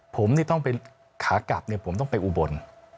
ผมต้องไปขากลับผมต้องไปอุบล